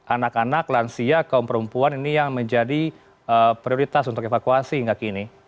anak anak lansia kaum perempuan ini yang menjadi prioritas untuk evakuasi hingga kini